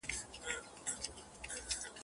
بوډا ژړل ورته یوازي څو کیسې یادي وې